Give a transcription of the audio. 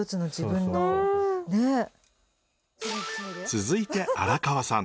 続いて荒川さん。